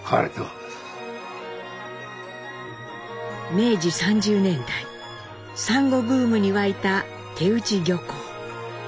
明治３０年代サンゴブームに沸いた手打漁港。